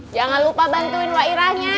jangan lupa bantuin wa irahnya